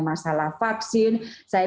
masalah vaksin saya